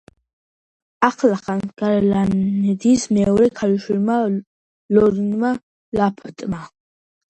ახლახანს გარლანდის მეორე ქალიშვილმა ლორნა ლაფტმა.